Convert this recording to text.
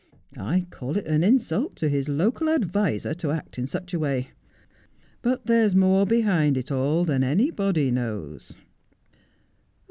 I call it an insult to his local adviser to act in such a way. But there's more behind it all than any body knows.'